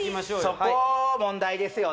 そこ問題ですよね